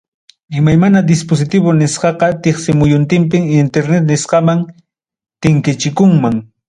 Imay mana dispositivo nisqaqa tiksimuyuntinpim internet nisqaman tinkichikunman.